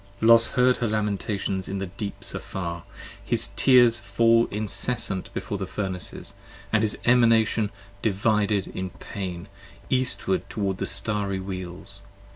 Los heard her lamentations in the deeps afar! his tears fall Incessant before the Furnaces, and his Emanation divided in pain, 68 Eastward toward the Starry Wheels.